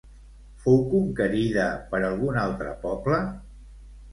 Fou conquerida per algun altre poble?